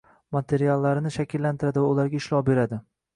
materiallarini shakllantiradi va ularga ishlov beradi;